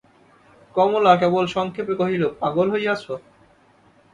কমলা কেবল সংক্ষেপে কহিল, পাগল হইয়াছ!